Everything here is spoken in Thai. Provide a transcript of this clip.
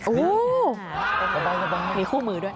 โอ้โหมีคู่มือด้วย